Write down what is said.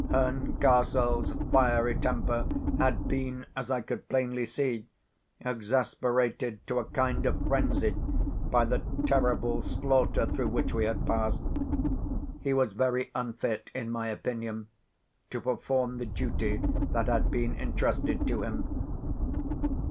Herncastle's fiery temper had been, as I could plainly see, exasperated to a kind of frenzy by the terrible slaughter through which we had passed. He was very unfit, in my opinion, to perform the duty that had been entrusted to him.